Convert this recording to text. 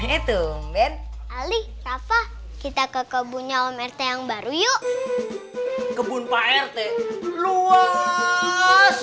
itu men kita ke kebunnya om rt yang baru yuk kebun pak rt luas